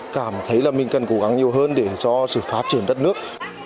cảm thấy là mình cần cố gắng nhiều hơn để cho sự phát triển đất nước